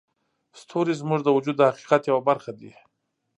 ستوري زموږ د وجود د حقیقت یوه برخه دي.